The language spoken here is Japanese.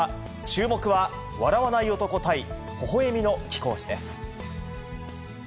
注目は笑わない男対ほほえみの貴公子です。